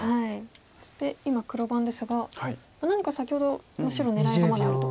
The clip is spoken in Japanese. そして今黒番ですが何か先ほど白狙いがまだあると。